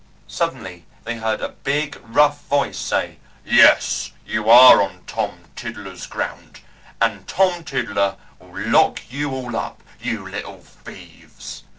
Suddenly they heard a big rough voice say, "Yes, you are on Tom Tiddler's ground, and Tom Tiddler will lock you all up, you little thieves."